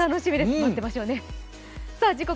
待ってましょうね。